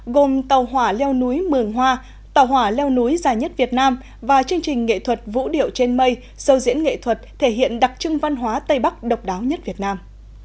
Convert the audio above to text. gồm tàu hỏa leo núi mường hoa tàu hỏa leo núi dài nhất việt nam và chương trình nghệ thuật vũ điệu trên mây sâu diễn nghệ thuật thể hiện đặc trưng văn hóa tây bắc độc đáo nhất việt nam